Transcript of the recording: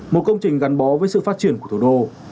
một công trình gắn bó với sự phát triển của thủ đô